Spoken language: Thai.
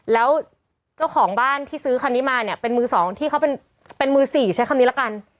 แล้วเจ้าของบ้านที่ซื้อคันนี้มาเนี่ยเป็นมือสองที่เขาเป็นมือสี่ใช้คำนี้ละกัน